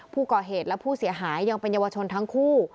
ผู้ก่อเหตุและผู้เสียหายยังเป็นเยาวชนทั้งคู่